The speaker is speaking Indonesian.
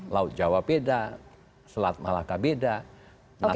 laut jawa beda selat malaka beda natuna beda